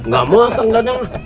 gak mau kak dadang